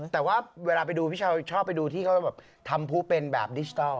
แต่ว่าเวลาไปดูพี่ชาวชอบไปดูที่เขาแบบทำผู้เป็นแบบดิจิทัล